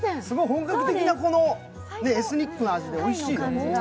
本格的なエスニックの味でおいしい。